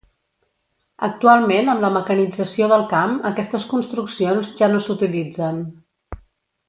Actualment amb la mecanització del camp aquestes construccions ja no s'utilitzen.